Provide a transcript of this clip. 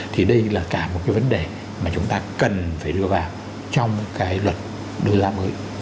thì đây là cả một cái vấn đề mà chúng ta cần phải đưa vào trong cái luật đấu giá mới